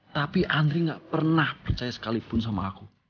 tapi andre nggak pernah percaya sekalipun sama aku